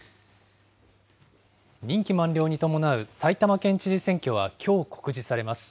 任期満了に伴う埼玉県知事選挙はきょう告示されます。